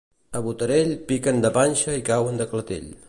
A Botarell, piquen de panxa i cauen de clatell.